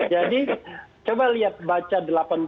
jadi coba lihat baca delapan poin itu